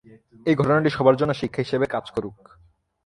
এই ঘটনাটি সবার জন্য শিক্ষা হিসেবে কাজ করুক।